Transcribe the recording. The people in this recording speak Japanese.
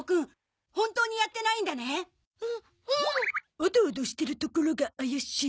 おどおどしてるところが怪しい。